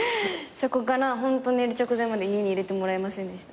そこからホント寝る直前まで家に入れてもらえませんでした。